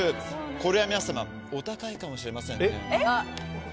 これは皆様お高いかもしれませんね。